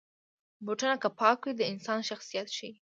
بوټونه که پاک وي، د انسان شخصیت ښيي.